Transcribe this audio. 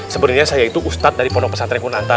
sebenernya saya itu ustad dari pondok pesantren yang ku nantai